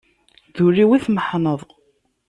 D ul-iw i tmeḥneḍ.